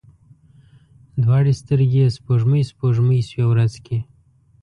دواړې سترګي یې سپوږمۍ، سپوږمۍ شوې ورځ کې